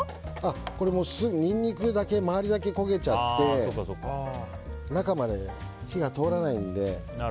これ、すぐにニンニクの周りだけ焦げちゃって中まで火が通らないので。